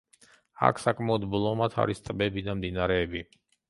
აქ საკმაოდ ბლომად არის ტბები და მდინარეები.